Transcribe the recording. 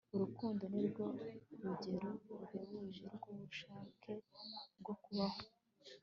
urukundo ni rwo rugero ruhebuje rw'ubushake bwo kubaho